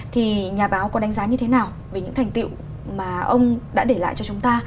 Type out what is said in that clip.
thì nhà báo có đánh giá như thế nào về những thành tiệu mà ông đã để lại cho chúng ta